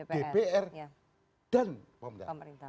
dpr dan pemerintah